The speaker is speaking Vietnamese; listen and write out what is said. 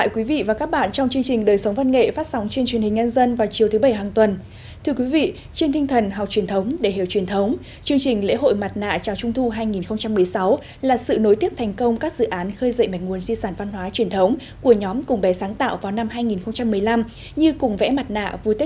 các bạn hãy đăng ký kênh để ủng hộ kênh của chúng mình nhé